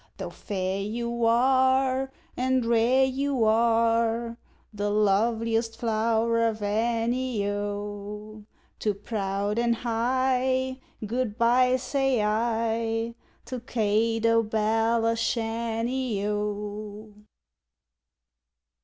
Tho' fair you are, and rare you are, The loveliest flow'r of any, O, Too proud and high, good bye, say I, To Kate o' Belashanny, O!